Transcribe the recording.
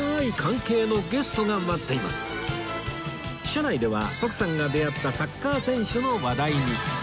車内では徳さんが出会ったサッカー選手の話題に